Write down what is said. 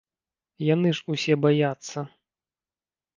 Яны ж усе баяцца.